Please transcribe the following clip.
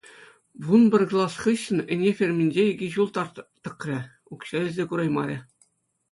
Вун пӗр класс хыҫҫӑн ӗне ферминче икӗ ҫул тар тӑкрӗ, укҫа илсе кураймарӗ.